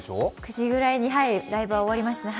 ９時ぐらいにライブが終わりましたね。